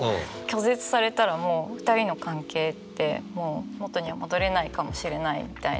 拒絶されたらもう２人の関係ってもう元には戻れないかもしれないみたいな。